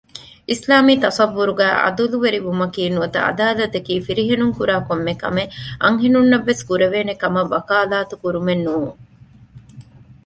އިސްލާމީ ތަޞައްވުރުގައި ޢަދުލުވެރިވުމަކީ ނުވަތަ ޢަދާލަތަކީ ފިރިހެނުންކުރާކޮންމެ ކަމެއް އަންހެނުންނަށްވެސް ކުރެވޭނެ ކަމަށް ވަކާލާތު ކުރުމެއްނޫން